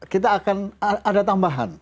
kita akan ada tambahan